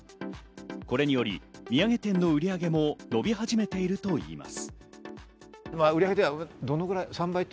これによりお土産店の売り上げも伸び始めているといいます。